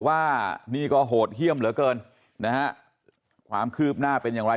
ว่านี่ก็โหดเยี่ยมเหลือเกินนะฮะความคืบหน้าเป็นอย่างไร